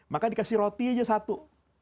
maka dikasih roti aja satu